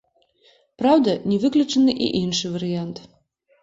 Праўда, не выключаны і іншы варыянт.